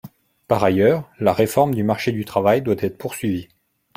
Par ailleurs, la réforme du marché du travail doit être poursuivie.